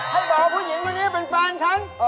ให้บอกผู้หญิงคนนี้เป็นแฟนฉัน